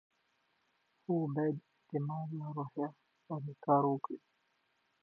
دوی د یووالي او اعتماد په روحیه کار کوي.